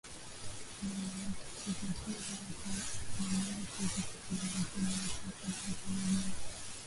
a ni kupoteza watu maanake zitashughulikiwa na watu na kadhalika nyegine